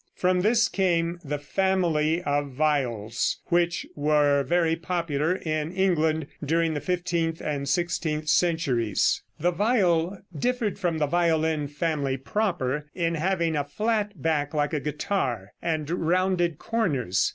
From this came the family of viols, which were very popular in England during the fifteenth and sixteenth centuries. The viol differed from the violin family proper in having a flat back like a guitar, and rounded corners.